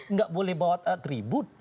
nggak boleh bawa tribut